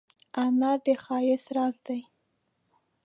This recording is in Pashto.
انار د ښایست راز دی.